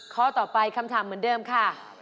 ข้อต่อไปคำถามเหมือนเดิมค่ะ